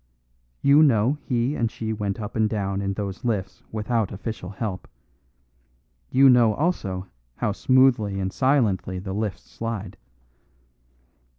You know he and she went up and down in those lifts without official help; you know also how smoothly and silently the lifts slide.